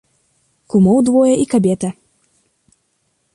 Кумоў двое і кабета.